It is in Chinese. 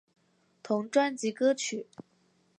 同专辑歌曲。